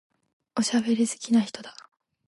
おしゃべり好きな人だ。